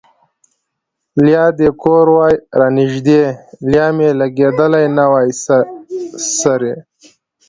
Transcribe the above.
لیا دې کور وای را نژدې ـ لیا مې لیدلګې نه وای سرې